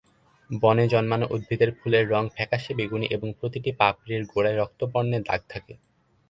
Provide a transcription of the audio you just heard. বনে জন্মানো উদ্ভিদের ফুলের রং ফ্যাকাশে বেগুনি এবং প্রতিটি পাপড়ির গোড়ায় রক্তবর্ণের দাগ থাকে।